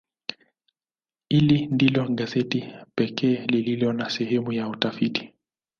Hili ndilo gazeti pekee lililo na sehemu ya utafiti.